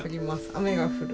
雨が降る。